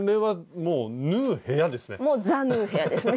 もう「ＴＨＥ縫う部屋」ですね。